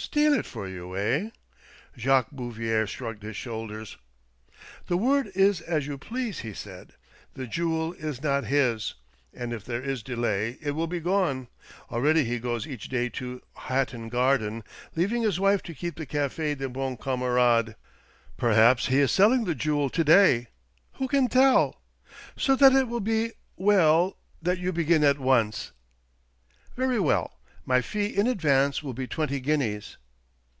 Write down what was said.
"Steal it for you, eh?" Jacques Bouvier shrugged his shoulders. "The 112 THE DOEBINGTON DEED BOX word is as you please," he said. " The jewel is not his. And if there is delay it will be gone. Already he goes each day to Hatton Garden, leaving his wife to keep the Cafe des Bons Camarades. Perhaps he is selling the jewel to day ! Who can tell ? So that it will be well that you begin at once." " Very well. My fee in advance will be twenty guineas."